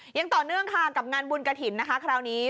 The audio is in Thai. ยังต่อเนื่องค่ะกับงานบุญกระถิ่นนะคะคราวนี้